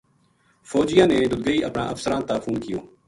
فوجیاں نے ددگئی اپنا افسراں تا فون کیو